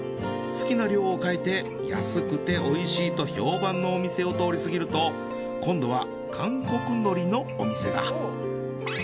好きな量を買えて安くておいしいと評判のお店を通りすぎると今度は韓国海苔のお店が。